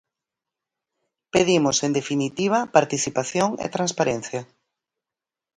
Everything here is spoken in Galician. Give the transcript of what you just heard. Pedimos, en definitiva, participación e transparencia.